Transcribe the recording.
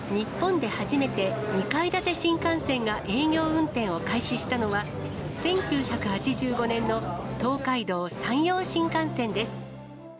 日本で初めて２階建て新幹線が営業運転を開始したのは、１９８５年の東海道・山陽新幹線です。